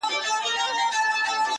وفا سمندر ځانګړی ليکوال دئ,